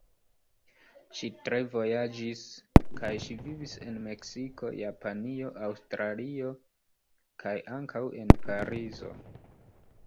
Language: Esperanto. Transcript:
Ŝi tre vojaĝis kaj ŝi vivis en Meksiko, Japanio, Aŭstralio kaj ankaŭ en Parizo.